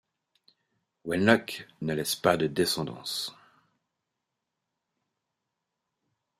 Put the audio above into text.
Wenlock ne laisse pas de descendance.